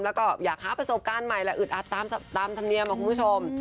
แล้วก็อยากหาประสบการณ์ใหม่และอึดอัดตามธรรมเนียมคุณผู้ชม